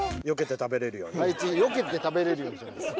よけて食べれるようにじゃないです。